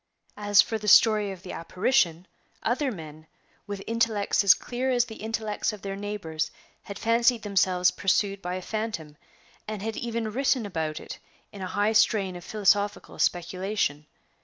As for the story of the apparition, other men, with intellects as clear as the intellects of their neighbors had fancied themselves pursued by a phantom, and had even written about it in a high strain of philosophical speculation.